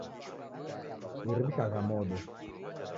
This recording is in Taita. Dirimishagha modo.